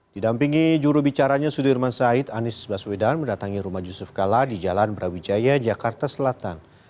didampingi jurubicaranya sudirman said anies baswedan mendatangi rumah yusuf kala di jalan brawijaya jakarta selatan